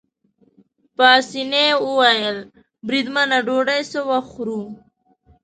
پاسیني وویل: بریدمنه ډوډۍ څه وخت خورو؟